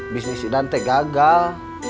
bisnis idan tegak gagal